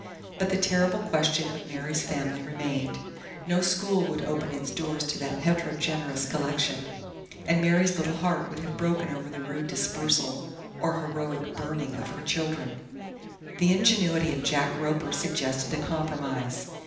But the terrible question of Mary's family remained. No school would open its doors to that heterogeneous collection, and Mary's little heart would have broken over the rude dispersal or heroic burning of her children. The ingenuity of Jack Roper suggested a compromise.